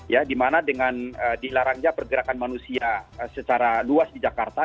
ya dimana dengan dilarangnya pergerakan manusia secara luas di jakarta